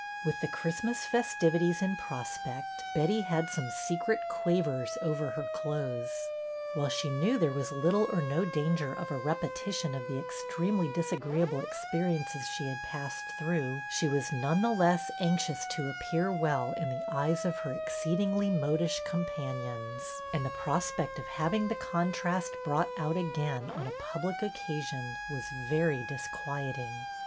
With the Christmas festivities in prospect, Betty had some secret quavers over her clothes. While she knew there was little or no danger of a repetition of the ex tremely disagreeable experiences she had passed through, she was none the less anx ious to appear well in the eyes of her exceedingly modish companions; and the prospect of having the contrast brought out again on a public occasion was very disquieting.